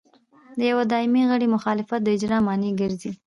د یوه دایمي غړي مخالفت د اجرا مانع ګرځي.